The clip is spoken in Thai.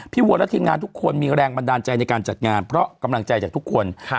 วัวและทีมงานทุกคนมีแรงบันดาลใจในการจัดงานเพราะกำลังใจจากทุกคน